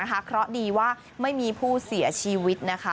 เพราะดีว่าไม่มีผู้เสียชีวิตนะคะ